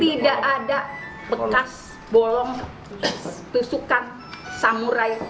tidak ada bekas bolong tusukan samurai